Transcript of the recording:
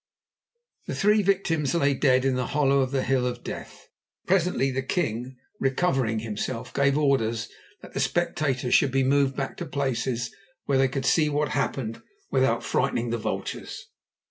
The three victims lay dead in the hollow of the Hill of Death. Presently the king, recovering himself, gave orders that the spectators should be moved back to places where they could see what happened without frightening the vultures.